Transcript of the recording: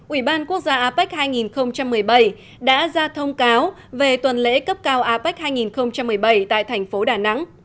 ủy ban quốc gia apec hai nghìn một mươi bảy đã ra thông cáo về tuần lễ cấp cao apec hai nghìn một mươi bảy tại thành phố đà nẵng